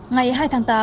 ngày hai mươi tháng năm